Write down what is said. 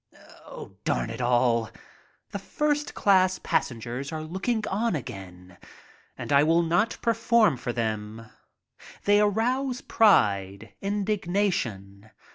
Darn it all, the first class passengers are looking on again, and I will not perform for them. They arouse pride, indignation.